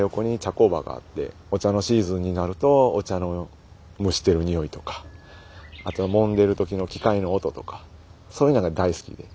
工場があってお茶のシーズンになるとお茶の蒸してる匂いとかあともんでる時の機械の音とかそういうのが大好きで。